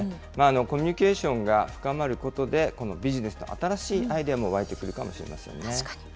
コミュニケーションが深まることで、このビジネスの新しいアイデアも湧いてくるかもしれませんね。